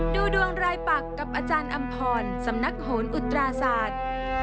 ดูดวงรายปักกับอาจารย์อำพรสำนักโหนอุตราศาสตร์